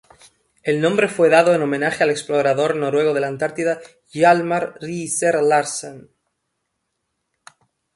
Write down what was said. El nombre fue dado en homenaje al explorador noruego de la Antártida Hjalmar Riiser-Larsen.